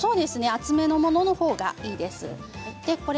厚めのものがいいです。